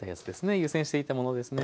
湯煎していたものですね。